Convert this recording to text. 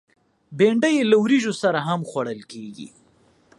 بېنډۍ له وریژو سره هم خوړل کېږي